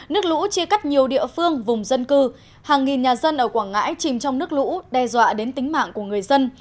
nước lũ chia cắt nhiều địa phương vùng dân cư hàng nghìn nhà dân ở quảng ngãi chìm trong nước lũ đe dọa đến tính mạng của người dân